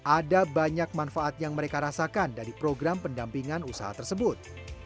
ada banyak manfaat yang mereka rasakan dari program pendampingan usaha tersebut